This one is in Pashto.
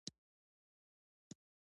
خور د ورور رازدار ده.